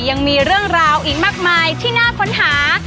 ยังมีเรื่องราวอีกมากมายที่น่าค้นหา